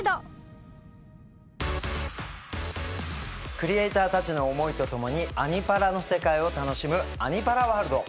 クリエーターたちの思いとともに「アニ×パラ」の世界を楽しむ「アニ×パラワールド」。